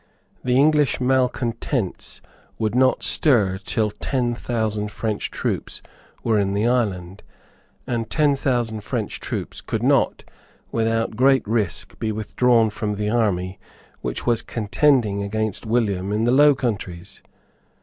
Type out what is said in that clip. The English malecontents would not stir till ten thousand French troops were in the island; and ten thousand French troops could not, without great risk, be withdrawn from the army which was contending against William in the Low Countries.